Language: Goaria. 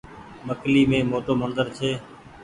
مڪلي مين موٽو مندر ڇي۔